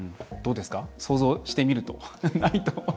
どうですか想像してみると。